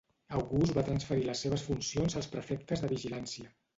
August va transferir les seves funcions als prefectes de vigilància.